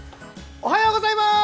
おはようございます。